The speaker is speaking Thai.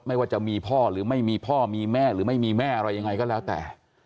ว่าจะมีพ่อหรือไม่มีพ่อมีแม่หรือไม่มีแม่อะไรยังไงก็แล้วแต่